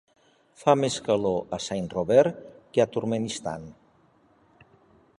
fa més calor a Saint Robert que a Turkmenistan